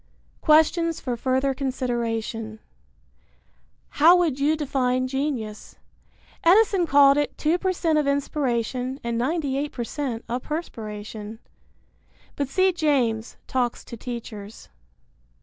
Questions for Further Consideration. How would you define genius? Edison called it 2% of inspiration and 98% of perspiration. (But see James, Talks to Teachers.)